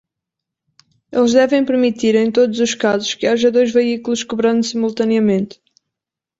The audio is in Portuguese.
Eles devem permitir em todos os casos que haja dois veículos cobrando simultaneamente.